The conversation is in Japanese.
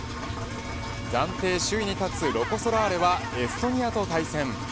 暫定首位に立つロコ・ソラーレはエストニアと対戦。